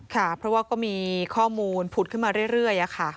ค่ะเพราะว่าก็มีข้อมูลผุดขึ้นมาเรื่อยค่ะ